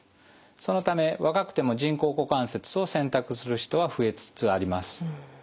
そのため若くても人工股関節を選択する人は増えつつあります。